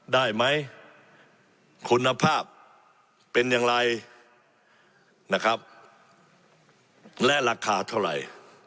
ได้ไหมคุณภาพเป็นอย่างไรนะครับและราคาเท่าไหร่